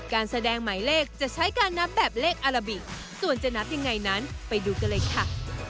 การแสดงหมายเลขจะใช้การนับแบบเลขอาราบิกส่วนจะนับยังไงนั้นไปดูกันเลยค่ะ